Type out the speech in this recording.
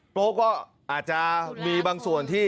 โก๊ก็อาจจะมีบางส่วนที่